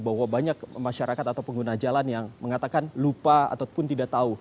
bahwa banyak masyarakat atau pengguna jalan yang mengatakan lupa ataupun tidak tahu